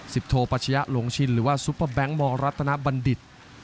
โทปัชยะหลงชินหรือว่าซุปเปอร์แบงค์มรัฐนบัณฑิต